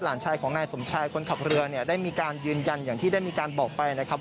หลานชายของนายสมชายคนขับเรือเนี่ยได้มีการยืนยันอย่างที่ได้มีการบอกไปนะครับ